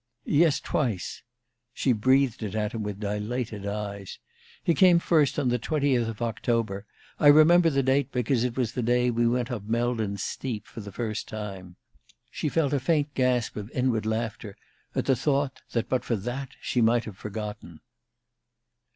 "Yes, twice." She breathed it at him with dilated eyes. "He came first on the 20th of October. I remember the date because it was the day we went up Meldon Steep for the first time." She felt a faint gasp of inward laughter at the thought that but for that she might have forgotten.